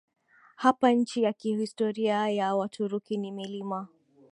hapa Nchi ya kihistoria ya Waturuki ni Milima